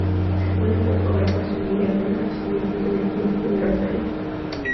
Se puede propagar por semilla, pero el crecimiento es lento los primeros años.